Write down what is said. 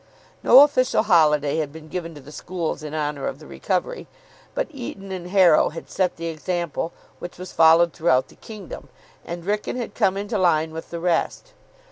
No official holiday had been given to the schools in honour of the recovery, but Eton and Harrow had set the example, which was followed throughout the kingdom, and Wrykyn had come into line with the rest.